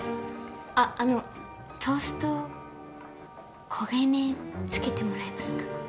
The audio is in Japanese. ああのトースト焦げ目つけてもらえますか？